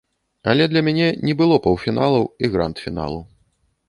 Але для мяне не было паўфіналаў і гранд-фіналу.